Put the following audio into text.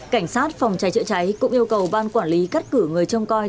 cảnh sát phòng cháy chữa cháy cũng yêu cầu ban quản lý cắt cử người trông coi